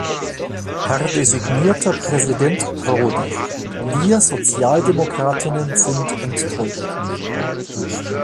Herr designierter Präsident Prodi, wir Sozialdemokratinnen sind enttäuscht.